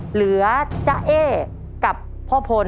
เหลือเจ๊กับพ่อพล